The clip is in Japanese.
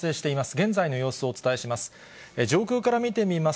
現在の様子をお伝えします。